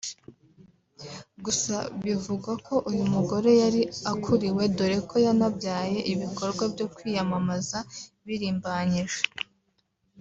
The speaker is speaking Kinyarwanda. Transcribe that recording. gusa bivugwa ko uyu mugore yari akuriwe dore ko yanabyaye ibikorwa byo kwiyamamaza birimbanyije